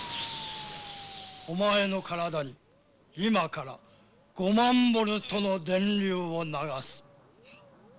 お前の体に今から５万ボルトの電流を流す。